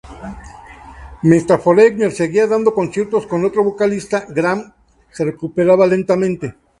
Mientras Foreigner seguía dando conciertos con otro vocalista, Gramm se recuperaba lentamente.